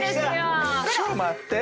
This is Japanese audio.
ちょっと待って。